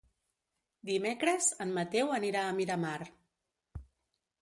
Dimecres en Mateu anirà a Miramar.